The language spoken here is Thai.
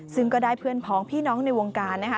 ซึ่งก็ได้เพื่อนพ้องพี่น้องในวงการนะคะ